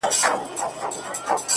كبرجن وو ځان يې غوښـتى پــه دنـيـا كي-